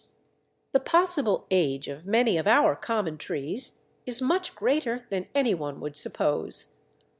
The possible age of many of our common trees is much greater than any one would suppose.